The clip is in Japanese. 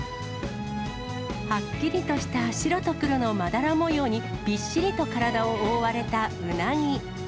はっきりとした白と黒のまだら模様に、びっしりと体を覆われたウナギ。